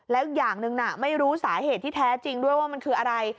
แล้วอย่างหนึ่งน่ะไม่รู้สาเหตุที่แท้จริงด้วยว่ามันคืออะไร